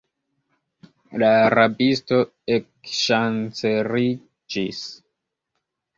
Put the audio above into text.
La rabisto ekŝanceliĝis.